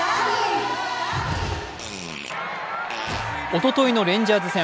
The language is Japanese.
おとといのレンジャーズ戦。